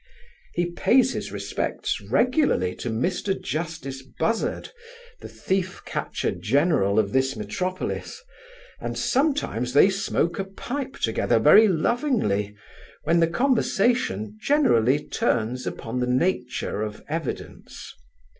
He pays his respects regularly to Mr Justice Buzzard, the thief catcher general of this metropolis, and sometimes they smoke a pipe together very lovingly, when the conversation generally turns upon the nature of evidence.